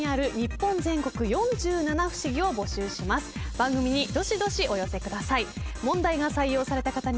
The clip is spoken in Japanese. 番組にどしどしお寄せください。